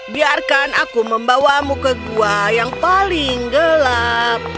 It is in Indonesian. biarkan aku membawamu ke gua yang paling gelap